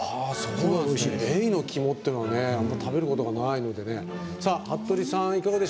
エイの肝っていうのはあんまり食べることがないのでね。